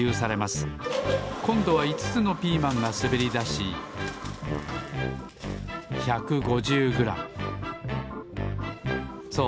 こんどは５つのピーマンがすべりだし１５０グラムそう